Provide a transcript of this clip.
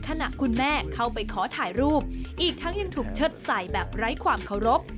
ขณะคุณแม่เข้าไปขอถ่ายรูปอีกทั้งยังถูกเชิดใส่แบบไร้ความเคารพ